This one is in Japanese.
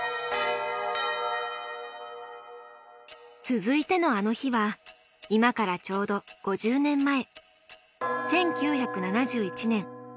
続いての「あの日」は今からちょうど５０年前。